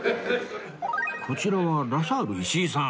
こちらはラサール石井さん